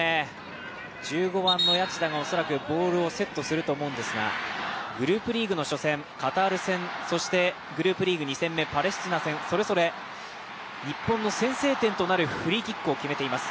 １５番の谷内田が恐らくボールをセットすると思うんですが、グループリーグの初戦、カタール戦そしてグループリーグ２戦目、パレスチナ戦、それぞれ日本の先制点となるフリーキックを決めています。